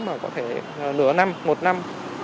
mà có thể nửa năm một năm